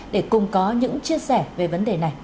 để cùng có những chia sẻ về vấn đề này